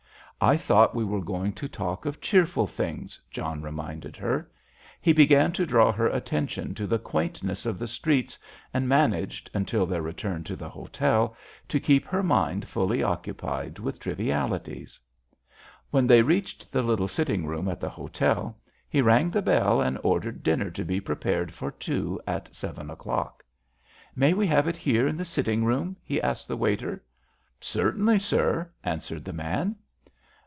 "I thought we were going to talk of cheerful things," John reminded her. He began to draw her attention to the quaintness of the streets, and managed, until their return to the hotel, to keep her mind fully occupied with trivialities. When they reached the little sitting room at the hotel, he rang the bell and ordered dinner to be prepared for two at seven o'clock. "May we have it here in the sitting room?" he asked the waiter. "Certainly, sir," answered the man.